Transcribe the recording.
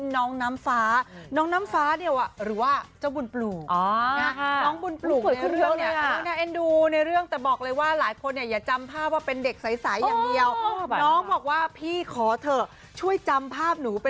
น้องน้ำฟ้าอ่าหรือว่าเจ้าบุญปลูก